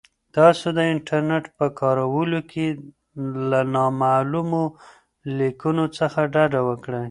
تاسو د انټرنیټ په کارولو کې له نامعلومو لینکونو څخه ډډه وکړئ.